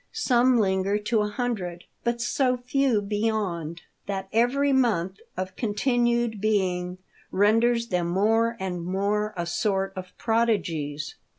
Some linger to a hundred ; but so few beyond, that every month of continued beinof renders them more and more a sort of prodigies.